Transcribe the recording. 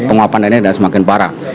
penguapan airnya tidak semakin parah